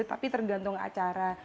tapi tergantung acara